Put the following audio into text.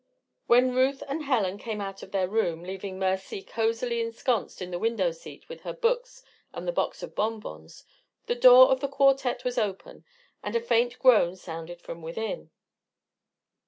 When Ruth and Helen came out of their room, leaving Mercy cozily ensconced in the window seat with her books and the box of bonbons, the door of the quartette was open and a faint groan sounded from within.